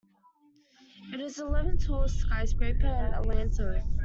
It is the eleventh-tallest skyscraper in Atlanta.